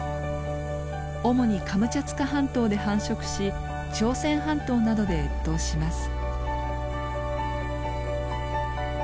主にカムチャツカ半島で繁殖し朝鮮半島などで越冬します。